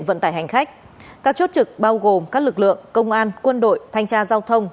vận tải hành khách các chốt trực bao gồm các lực lượng công an quân đội thanh tra giao thông